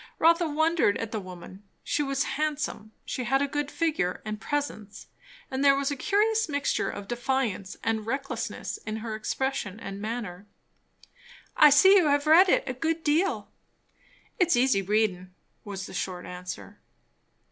Rotha wondered at the woman. She was handsome, she had a good figure and presence; but there was a curious mixture of defiance and recklessness in her expression and manner. "I see you have read it a good deal." "It's easy readin'," was the short answer.